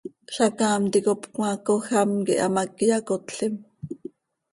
Zacaam ticop cmaacoj am quih hamác iyacotlim.